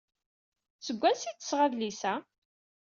Seg wansi ay d-tesɣa adlis-a?